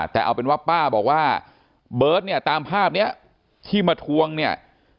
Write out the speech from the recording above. แต่เอาเป็นว่าป้าบอกว่าเบิร์ตเนี่ยตามภาพนี้ที่มาทวงเนี่ย